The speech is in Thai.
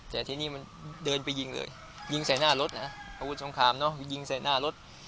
แต่ทีนี้มันเดินไปยิงเลยยิงใส่หน้ารถนะอาวุธสงครามเนอะยิงใส่หน้ารถ